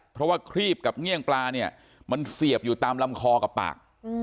เพราะว่าครีบกับเงี่ยงปลาเนี่ยมันเสียบอยู่ตามลำคอกับปาก